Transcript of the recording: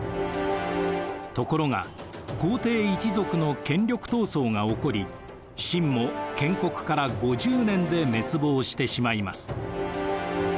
ところが皇帝一族の権力闘争が起こり晋も建国から５０年で滅亡してしまいます。